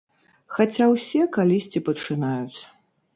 Хаця ўсе калісьці пачынаюць.